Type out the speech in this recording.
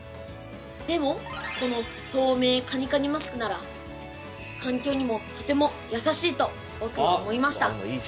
でもこの透明カニカニマスクなら環境にもとても優しいと僕は思いました。